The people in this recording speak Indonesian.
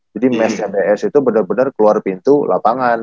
jadi mes mds itu bener bener keluar pintu lapangan